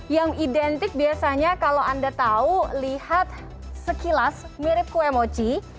yang identik biasanya kalau anda tahu lihat sekilas mirip kue mochi